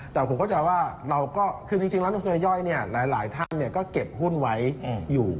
แต่ผมเข้าจากว่าคือจริงน้องธุรไลย่อยหลายท่านก็เก็บหุ้นไว้อยู่